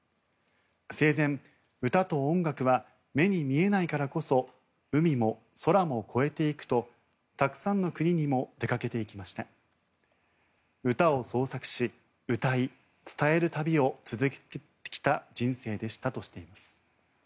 生前、歌と音楽は目に見えないからこそ海も空も超えていくとたくさんの国にも出かけていきました歌を創作し、歌い、伝える旅を続けてきた人生でしたとしています。